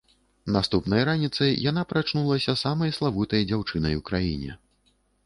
Наступнай раніцай яна прачнулася самай славутай дзяўчынай у краіне.